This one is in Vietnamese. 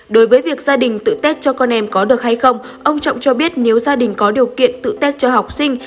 đối với việc gia đình tự tết cho con em có được hay không ông trọng cho biết nếu gia đình có điều kiện tự tết cho học sinh